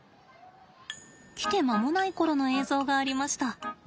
来て間もない頃の映像がありました。